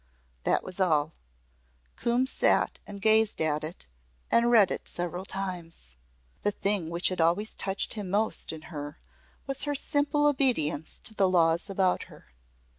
That was all. Coombe sat and gazed at it and read it several times. The thing which had always touched him most in her was her simple obedience to the laws about her.